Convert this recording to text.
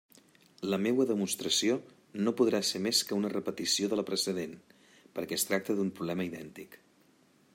La meua demostració no podrà ser més que una repetició de la precedent, perquè es tracta d'un problema idèntic.